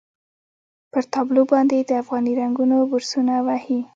پر تابلو باندې یې د افغاني رنګونو برسونه وهي.